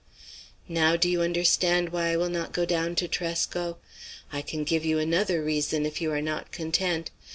Now do you understand why I will not go down to Tresco? I can give you another reason if you are not content.